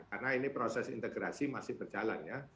karena ini proses integrasi masih berjalan ya